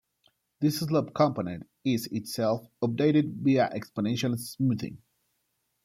This slope component is itself updated via exponential smoothing.